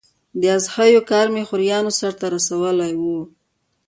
د اضحیو کار مې خوریانو سرته رسولی و.